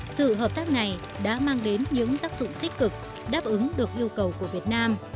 sự hợp tác này đã mang đến những tác dụng tích cực đáp ứng được yêu cầu của việt nam